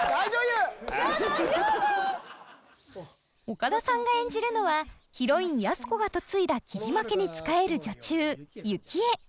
岡田さんが演じるのはヒロイン安子が嫁いだ雉真家に仕える女中雪衣。